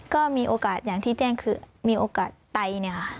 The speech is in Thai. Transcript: ก็มีโอกาสอย่างที่แจ้งคือมีโอกาสไตเนี่ยค่ะ